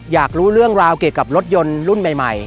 อยากรู้เรื่องราวเกี่ยวกับรถยนต์รุ่นใหม่